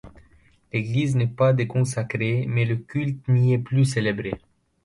L'église n'est pas déconsacrée, mais le culte n'y est plus célébré.